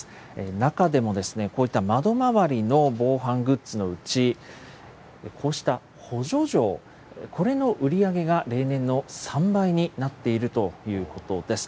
中でも、こういった窓周りの防犯グッズのうち、こうした補助錠、これの売り上げが例年の３倍になっているということです。